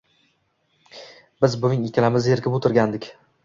Biz buving ikalamiz zerikip o’tirgandik.